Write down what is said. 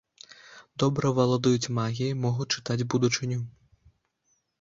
Добра валодаюць магіяй, могуць чытаць будучыню.